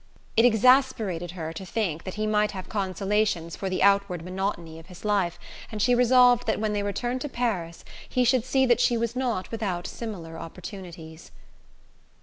It exasperated her to think that he might have consolations for the outward monotony of his life, and she resolved that when they returned to Paris he should see that she was not without similar opportunities.